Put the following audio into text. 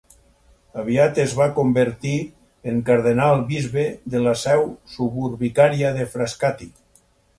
Aviat es va convertir en cardenal-bisbe de la seu suburbicària de Frascati.